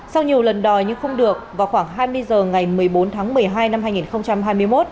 sau nhiều lần đòi nhưng không được vào khoảng hai mươi h ngày một mươi bốn tháng một mươi hai năm hai nghìn hai mươi một